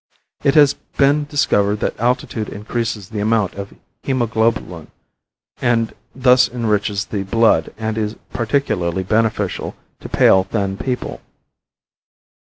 It has been discovered that altitude increases the amount of hemoglobulin and thus enriches the blood and is particularly beneficial to pale, thin people.